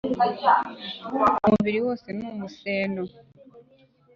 umubiri wose ni umuseno